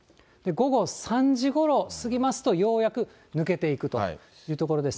午後３時ごろ過ぎますとようやく抜けていくというところです